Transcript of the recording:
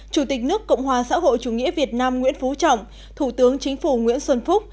chủ tịch nước cộng hòa xã hội chủ nghĩa việt nam nguyễn phú trọng thủ tướng chính phủ nguyễn xuân phúc